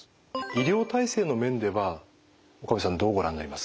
医療体制の面では岡部さんどうご覧になります？